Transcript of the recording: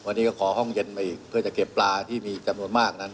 วันนี้ก็ขอห้องเย็นมาอีกเพื่อจะเก็บปลาที่มีจำนวนมากนั้น